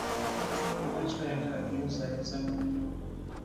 Lwaki toyagala kuyozayoza munno?